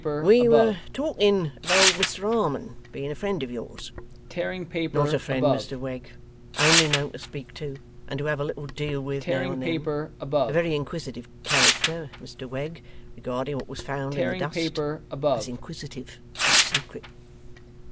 'We were talking of old Mr Harmon being a friend of yours.' 'Not a friend, Mr Wegg. Only known to speak to, and to have a little deal with now and then. A very inquisitive character, Mr Wegg, regarding what was found in the dust. As inquisitive as secret.